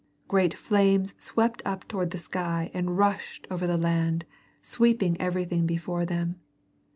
Great flames swept up towards the sky and rushed over the land, sweeping everything before them.